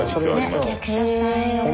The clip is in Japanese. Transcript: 役者さん。